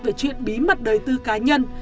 về chuyện bí mật đời tư cá nhân